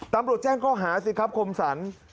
ตำรวจแจ้งข้อหาสิครับคมสรร